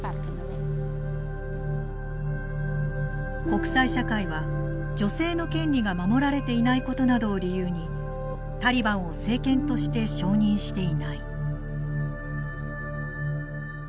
国際社会は女性の権利が守られていないことなどを理由にタリバンを政権として承認していない。